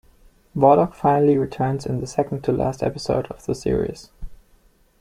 Warlock finally returns in the second-to-last episode of the series.